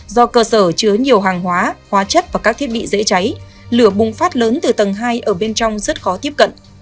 do cơ sở chứa nhiều hàng hóa hóa chất và các thiết bị dễ cháy lửa bùng phát lớn từ tầng hai ở bên trong rất khó tiếp cận